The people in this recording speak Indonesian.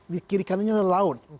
di kiri kanannya ada laut